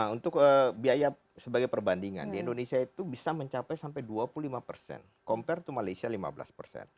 untuk biaya sebagai perbandingan di indonesia itu bisa mencapai sampai dua puluh lima persen compare to malaysia lima belas persen